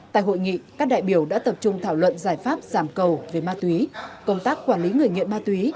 tại hội nghị các đại biểu đã tập trung thảo luận giải pháp giảm cầu về ma túy công tác quản lý người nghiện ma túy